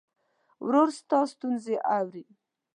ورور ستا ستونزې اوري.